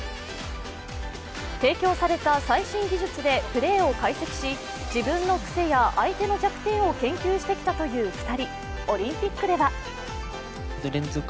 提供された最新技術でプレーを解析し自分のくせや相手の弱点を研究してきたという２人。